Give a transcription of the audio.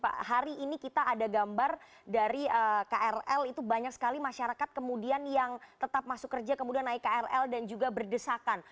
pak hari ini kita ada gambar dari krl itu banyak sekali masyarakat kemudian yang tetap masuk kerja kemudian naik krl dan juga berdesakan